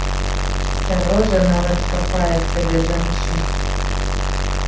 Сярожа нават капае сабе жанчын.